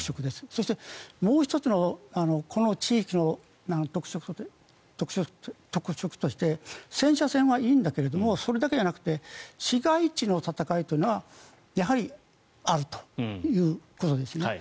そして、もう１つのこの地域の特色として戦車戦はいいんだけどそれだけじゃなくて市街地の戦いというのがやはりあるということですね。